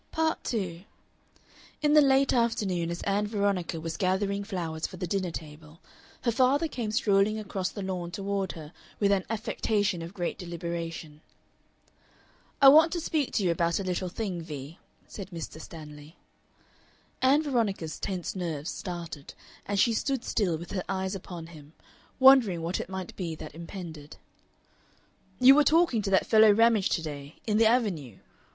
Part 2 In the late afternoon, as Ann Veronica was gathering flowers for the dinner table, her father came strolling across the lawn toward her with an affectation of great deliberation. "I want to speak to you about a little thing, Vee," said Mr. Stanley. Ann Veronica's tense nerves started, and she stood still with her eyes upon him, wondering what it might be that impended. "You were talking to that fellow Ramage to day in the Avenue.